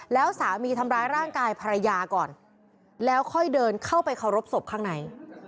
แล้วสามีทำร้ายร่างกายภรรยาก่อนแล้วค่อยเดินเข้าไปเคารพศพข้างใน